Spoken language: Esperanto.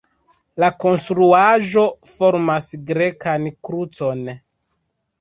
La konstruaĵo formas grekan krucon.